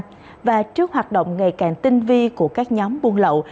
trong những hoạt động ngày càng tinh vi của các nhóm buôn lậu